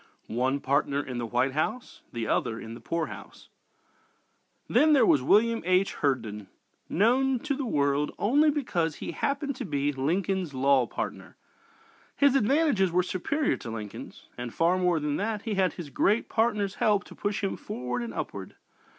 ONE PARTNER IN THE WHITE HOUSE, THE OTHER IN THE POOR HOUSE Then there was William H. Herndon, known to the world only because he happened to be "Lincoln's law partner." His advantages were superior to Lincoln's. And far more than that, he had his great partner's help to push him forward and upward.